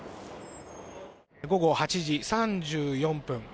午後８時３４分。